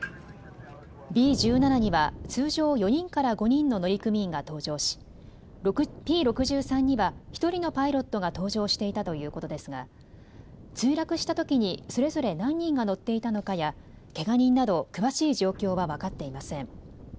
Ｂ１７には通常４人から５人の乗組員が搭乗しＰ６３には１人のパイロットが搭乗していたということですが墜落したときにそれぞれ何人が乗っていたのかや、けが人など詳しい状況は分かっていません。